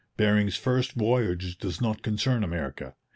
Bering's first voyage does not concern America.